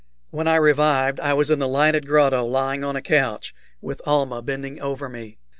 When I revived I was in the lighted grotto, lying on a couch, with Almah bending over me.